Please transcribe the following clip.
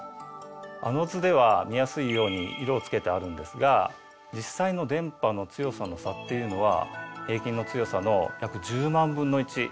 あの図では見やすいように色をつけてあるんですが実際の電波の強さの差っていうのは平均の強さの約１０万分の１くらいなんですね。